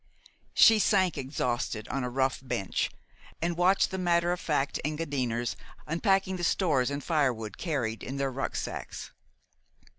She sank exhausted on a rough bench, and watched the matter of fact Engadiners unpacking the stores and firewood carried in their rucksacks.